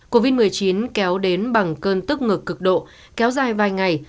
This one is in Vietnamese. covid một mươi chín kéo đến bằng cơn tức ngực cực độ kéo dài vài ngày